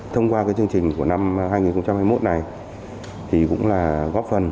thông qua chương trình của năm hai nghìn hai mươi một này thì cũng là góp phần